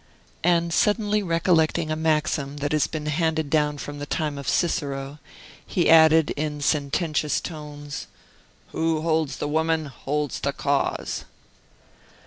And suddenly recollecting a maxim that has been handed down from the time of Cicero, he added in sententious tones: "Who holds the woman holds the cause!"